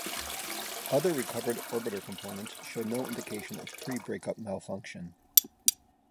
Other recovered orbiter components showed no indication of pre-breakup malfunction.